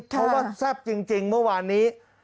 เพราะว่าแซ่บจริงเมื่อวานนี้